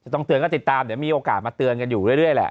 ต้องเตือนก็ติดตามเดี๋ยวมีโอกาสมาเตือนกันอยู่เรื่อยแหละ